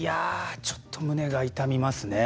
ちょっと胸が痛みますね。